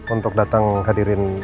untuk datang hadirin